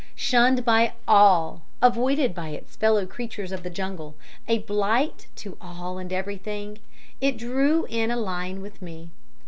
"Shunned by all, avoided by its fellow creatures of the jungle, a blight to all and everything, it drew in a line with me.